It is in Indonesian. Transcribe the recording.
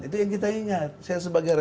itu yang kita ingat